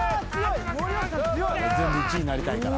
全部１位なりたいから。